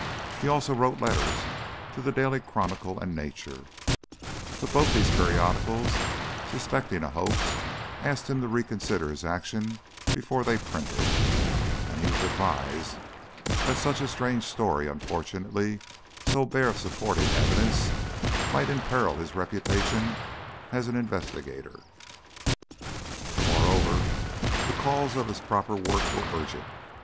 He also wrote letters to The Daily Chronicle and Nature, but both those periodicals, suspecting a hoax, asked him to reconsider his action before they printed, and he was advised that such a strange story, unfortunately so bare of supporting evidence, might imperil his reputation as an investigator. Moreover, the calls of his proper work were urgent.